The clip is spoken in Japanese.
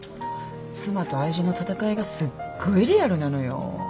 妻と愛人の戦いがすっごいリアルなのよ。